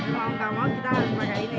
mau tidak mau kita harus pakai ini